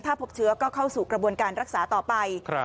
ถ้าพบเชื้อก็เข้าสู่กระบวนการรักษาต่อไป